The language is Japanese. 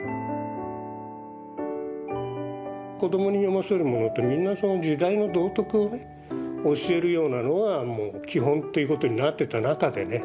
子供に読ませるものってみんなその時代の道徳をね教えるようなのは基本ということになってた中でね